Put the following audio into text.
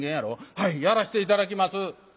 「はいやらして頂きます。